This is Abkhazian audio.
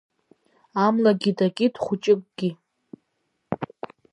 Амлагьы дакит хәыҷыкгьы.